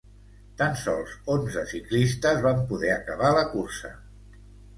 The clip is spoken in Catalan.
Tan sols onze ciclistes van poder acabar la cursa.